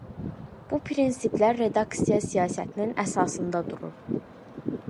Bu prinsiplər redaksiya siyasətinin əsasında durur.